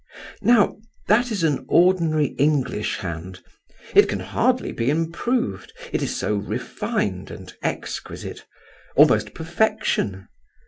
Now that is an ordinary English hand. It can hardly be improved, it is so refined and exquisite—almost perfection.